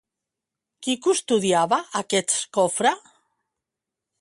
Qui custodiava aquest cofre?